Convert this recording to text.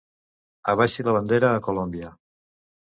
Abaixi la bandera a Colòmbia.